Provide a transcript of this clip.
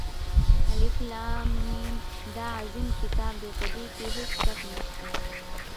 الف لام ، میم دا عظیم كتاب دى، په ده كې هېڅ شك نشته.